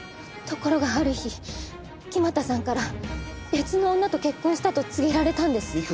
ところがある日木俣さんから別の女と結婚したと告げられたんです。